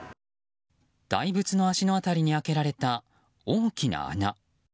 大仏の足の辺りに開けられた大きな穴。